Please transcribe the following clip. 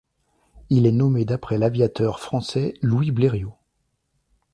Il est nommé d'après l'aviateur français Louis Blériot.